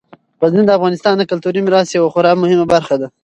غزني د افغانستان د کلتوري میراث یوه خورا مهمه برخه ده.